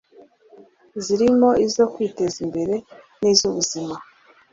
zirimo izo kwiteza imbere n’iz’ubuzima